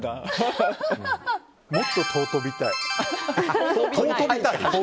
もっと尊びたい。